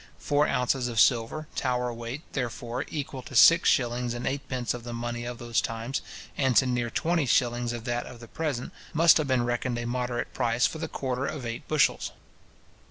Four ounces of silver, Tower weight, therefore, equal to six shillings and eightpence of the money of those times, and to near twenty shillings of that of the present, must have been reckoned a moderate price for the quarter of eight bushels.